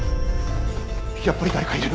やっぱり誰かいる。